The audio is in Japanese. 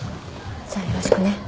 じゃあよろしくね。